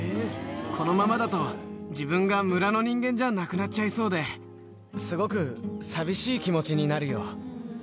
このままだと、自分が村の人間じゃなくなっちゃいそうで、すごく寂しい気持ちになるよ。